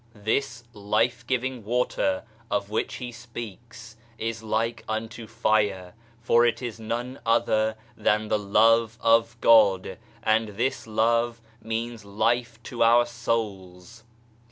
This life giving water of which He speaks is like unto fire, for it is none other than the Love of God, and this love means life to our souls.